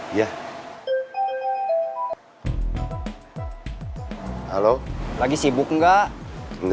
didu sama aywan nahan di belakang